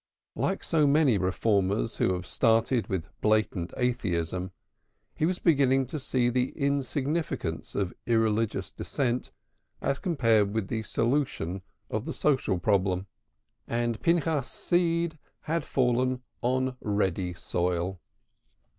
Like so many reformers who have started with blatant atheism, he was beginning to see the insignificance of irreligious dissent as compared with the solution of the social problem, and Pinchas's seed had fallen on ready soil.